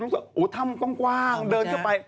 ถ้ำกว้างเดินเข้าไป